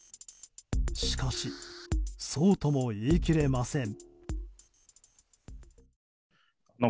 しかしそうとも言い切れません。